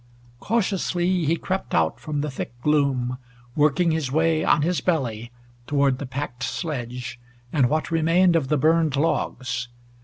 Cautiously he crept out from the thick gloom, working his way on his belly toward the packed sledge, and what remained of the burned logs.